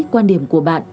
quan điểm của bạn